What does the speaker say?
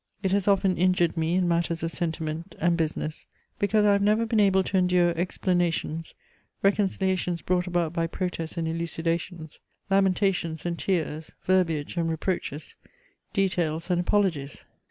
It has often injured me in matters of sentiment and business, because I have never been able to endure explanations, reconciliations brought about by protests and elucidations, lamentations and tears, verbiage and reproaches, details and apologies.